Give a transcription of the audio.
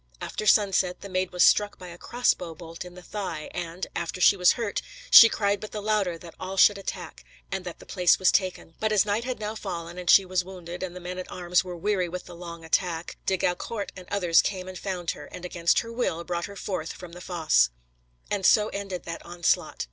After sunset, the Maid was struck by a crossbow bolt in the thigh; and, after she was hurt, she cried but the louder that all should attack, and that the place was taken. But as night had now fallen and she was wounded, and the men at arms were weary with the long attack, De Gaucourt and others came and found her, and, against her will, brought her forth from the fosse. And so ended that onslaught.